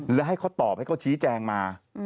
แล้วให้เขาตอบให้เขาชี้แจงมา